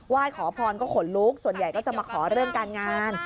ยขอพรก็ขนลุกส่วนใหญ่ก็จะมาขอเรื่องการงาน